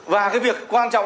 và cái việc quan trọng